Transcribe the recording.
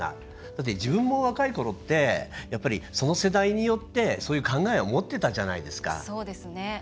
だって、自分の若いころってその世代によってそういう考えを持っていたじゃないですか。